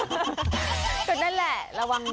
แต่นั่นแหละระวังนะ